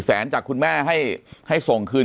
ถึงจะส่งให้ก็เพิ่งมาส่งให้